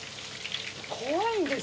怖いんですけど。